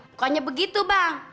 pokoknya begitu bang